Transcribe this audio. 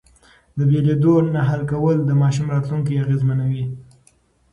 د بېلېدو نه حل کول د ماشوم راتلونکی اغېزمنوي.